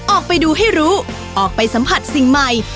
ออกไปดูให้รู้ออกไปสัมผัสสิ่งใหม่